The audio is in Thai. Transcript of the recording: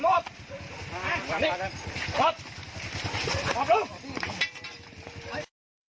กรอบเร็ว